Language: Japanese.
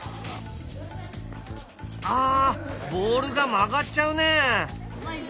ああボールが曲がっちゃうね。